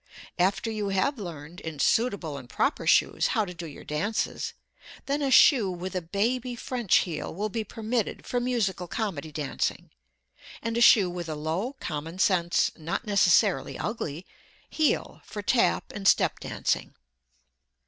After you have learned, in suitable and proper shoes, how to do your dances, then a shoe with a baby French heel will be permitted for musical comedy dancing, and a shoe with a low common sense (not necessarily ugly) heel for tap and step dancing.